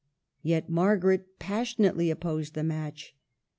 Yet Margaret passionately opposed the match.